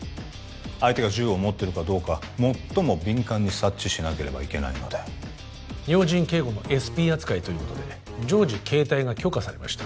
相手が銃を持ってるかどうか最も敏感に察知しなければいけないので要人警護のＳＰ扱いということで常時携帯が許可されました